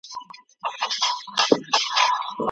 د جرګي په پای کي دعا څوک کوي؟